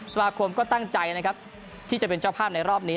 สมาคมก็ตั้งใจนะครับที่จะเป็นเจ้าภาพในรอบนี้